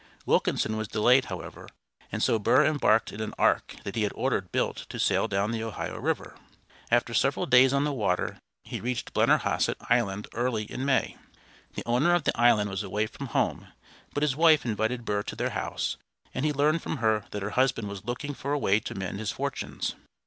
Wilkinson was delayed, however, and so Burr embarked in an ark that he had ordered built to sail down the Ohio River. After several days on the water he reached Blennerhassett Island early in May. The owner of the island was away from home, but his wife invited Burr to their house, and he learned from her that her husband was looking for a way to mend his fortunes.